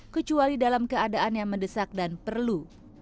kecuali dalam keadaan yang mendesak dan perlu